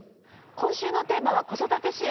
今週のテーマは子育て支援。